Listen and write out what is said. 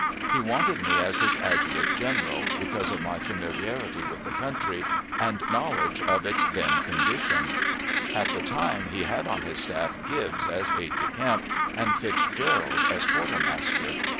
He wanted me as his adjutant general, because of my familiarity with the country, and knowledge of its then condition: At the time, he had on his staff Gibbs as aide de camp, and Fitzgerald as quartermaster.